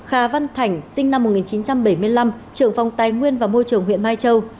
hà văn thảnh sinh năm một nghìn chín trăm bảy mươi năm trưởng phòng tài nguyên và môi trường huyện mai châu